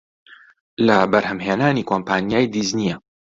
لە بەرهەمهێنانی کۆمپانیای دیزنییە